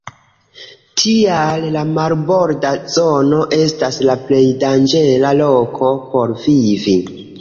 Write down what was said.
Tial la marborda zono estas la plej danĝera loko por vivi.